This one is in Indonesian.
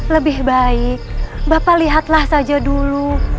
lebih baik bapak lihatlah saja dulu